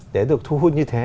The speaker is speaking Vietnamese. để được thu hút như thế